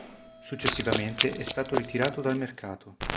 Successivamente è stato ritirato dal mercato.